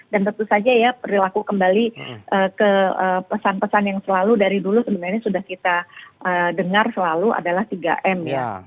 dan tentu saja perilaku kembali ke pesan pesan yang selalu dari dulu sebenarnya sudah kita dengar selalu adalah tiga m